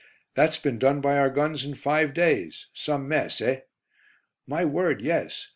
"That's been done by our guns in five days; some mess, eh?" "My word, yes.